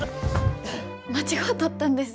間違うとったんです。